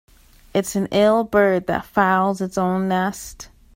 It's an ill bird that fouls its own nest.